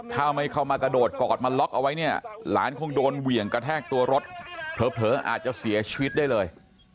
ถ้าไม่เข้ามากระโดดกอดมาล็อกเอาไว้เนี่ยหลานคงโดนเหวี่ยงกระแทกตัวรถเผลออาจจะเสียชีวิตได้เลย